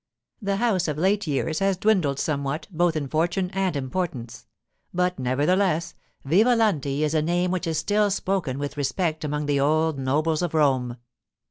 The house of late years has dwindled somewhat, both in fortune and importance; but, nevertheless, Vivalanti is a name which is still spoken with respect among the old nobles of Rome.